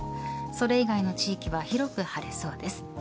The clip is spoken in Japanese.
それ以外の地域は広く晴れそうです。